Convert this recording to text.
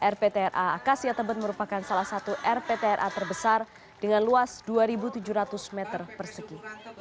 rptra akasia tebet merupakan salah satu rptra terbesar dengan luas dua tujuh ratus meter persegi